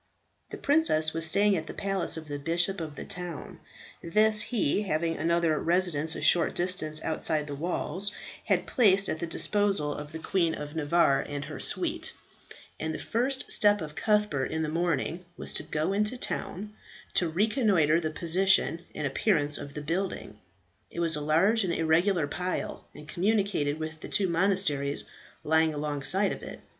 The princess was staying at the palace of the bishop of the town; this he, having another residence a short distance outside the walls, had placed at the disposal of the Queen of Navarre and her suite; and the first step of Cuthbert in the morning was to go into the town, to reconnoitre the position and appearance of the building. It was a large and irregular pile, and communicated with the two monasteries lying alongside of it.